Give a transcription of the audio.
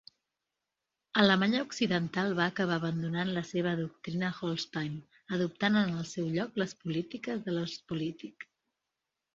Alemanya Occidental va acabar abandonant la seva doctrina Hallstein, adoptant en el seu lloc les polítiques de la Ostpolitik.